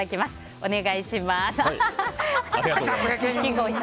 お願いします。